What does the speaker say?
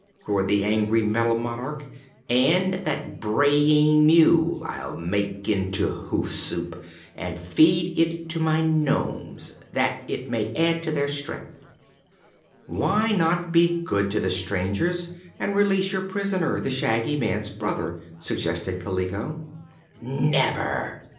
roared the angry Metal Monarch. "And that braying Mule I'll make into hoof soup, and feed it to my nomes, that it may add to their strength." "Why not be good to the strangers and release your prisoner, the Shaggy Man's brother?" suggested Kaliko. "Never!"